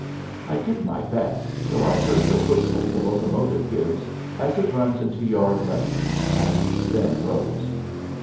I did my best till I heard the whistle the locomotive gives as it runs into yard limits, and then rose.